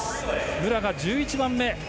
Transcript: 武良が１１番目。